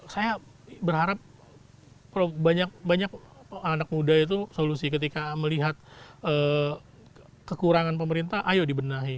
saya berharap banyak anak muda itu solusi ketika melihat kekurangan pemerintah ayo dibenahi